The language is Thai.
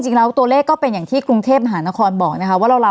จริงแล้วคือเบากว่าตอนปีใหม่สงการตามเวลาปกติเยอะเพียงแต่ว่า